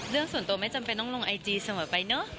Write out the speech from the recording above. เรื่องส่วนตัวไม่จำเป็นต้องลงไอจีเสมอไปเนอะ